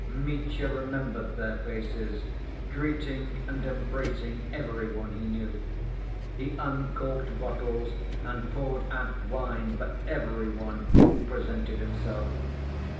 Mitya remembered their faces, greeting and embracing every one he knew. He uncorked bottles and poured out wine for every one who presented himself.